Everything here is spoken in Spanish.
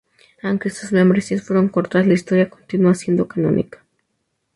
Aunque sus membresías fueron cortas, la historia continúa siendo canónica.